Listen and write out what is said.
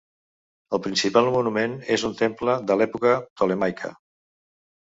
El principal monument és un temple de l'època ptolemaica.